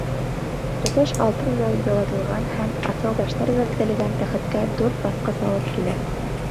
Тотош алтын менән ялатылған һәм аҫыл таштар менән биҙәлгән тәхеткә дүрт баҫҡыс алып килә.